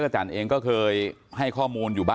ลองฟังเสียงช่วงนี้ดูค่ะ